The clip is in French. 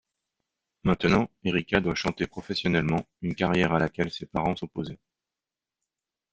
Maintenant, Erika doit chanter professionnellement, une carrière à laquelle ses parents s'opposaient.